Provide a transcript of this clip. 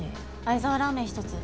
愛沢ラーメン１つ。